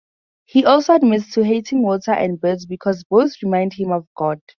He also admits to hating water and birds because both remind him of God.